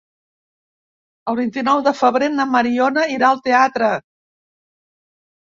El vint-i-nou de febrer na Mariona irà al teatre.